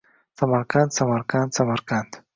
Samarqand Samarqand Samarqand